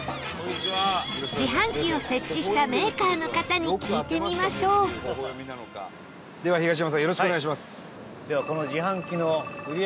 自販機を設置したメーカーの方に聞いてみましょうでは、東山さんよろしくお願いします。